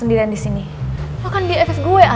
dah udah pasti bukan bokap nyokap gue lah